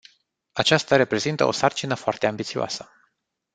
Acesta reprezintă o sarcină foarte ambițioasă.